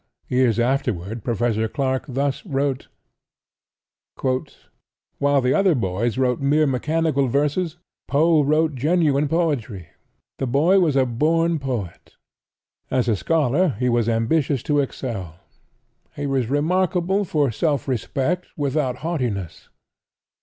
Years afterward Professor Clarke thus wrote: "While the other boys wrote mere mechanical verses, Poe wrote genuine poetry; the boy was a born poet. As a scholar he was ambitious to excel. He was remarkable for self respect, without haughtiness.